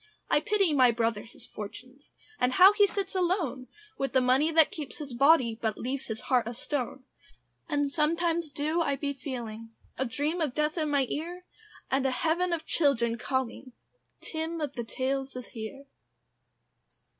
I pity my brother his fortunes, And how he sits alone, With the money that keeps his body, But leaves his heart a stone. And sometimes do I be feeling A dream of death in my ear, And a heaven of children calling, "Tim of the Tales is here."